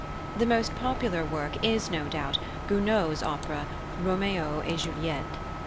The most popular work is, no doubt, Gounod's opera Roméo et Juliette.